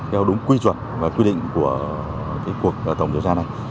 theo đúng quy chuẩn và quy định của cuộc tổng điều tra này